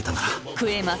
食えます！